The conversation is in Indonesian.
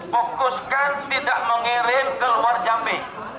fokuskan tidak mengirim keluar jambi